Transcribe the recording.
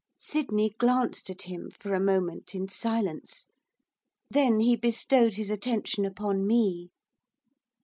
Sydney glanced at him, for a moment, in silence. Then he bestowed his attention upon me.